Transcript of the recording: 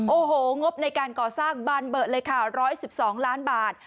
โอ้โหงบในการก่อสร้างบานเบอร์เลยค่ะ๑๑๒ล้านบาท